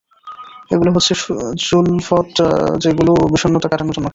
এগুলো হচ্ছে যোলফট যেগুলো ও বিষণ্ণতা কাটানোর জন্য খায়!